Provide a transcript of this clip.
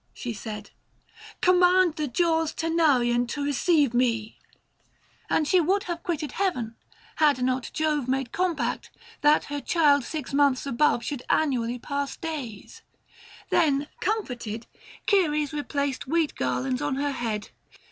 " she said ;" command The jaws Taenarian to receive me ;" and She would have quitted heaven, had not Jove Made compact, that her child six months above Should annually pass days. Then, comforted, 705 Ceres replaced wheat garlands on her head.